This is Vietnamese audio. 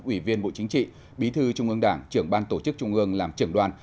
ủy viên bộ chính trị bí thư trung ương đảng trưởng ban tổ chức trung ương làm trưởng đoàn